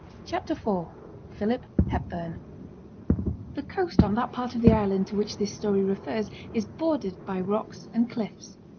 CHAPTER IV PHILIP HEPBURN The coast on that part of the island to which this story refers is bordered by rocks and cliffs.